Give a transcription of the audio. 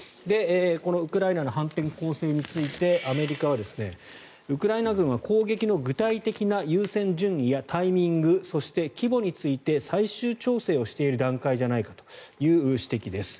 このウクライナの反転攻勢についてアメリカはウクライナ軍は攻撃の具体的な優先順位やタイミングそして規模について最終調整をしている段階じゃないかという指摘です。